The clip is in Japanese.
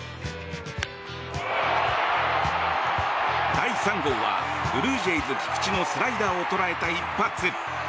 第３号はブルージェイズ、菊池のスライダーを捉えた一発。